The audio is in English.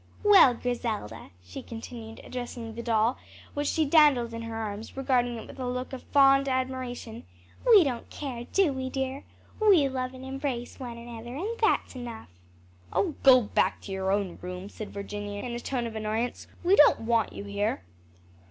"Well, Griselda," she continued, addressing the doll, which she dandled in her arms, regarding it with a look of fond admiration, "we don't care, do we, dear? We love and embrace one another, and that's enough." "Oh, go back to your own room," said Virginia in a tone of annoyance, "we don't want you here."